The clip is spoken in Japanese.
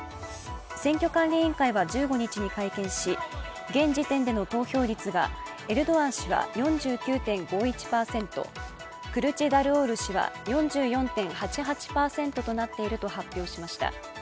選挙管理委員会は１５日に会見し現時点での投票率がエルドアン氏は４９．５１％、クルチダルオール氏は４４．８８％となっていると発表しました。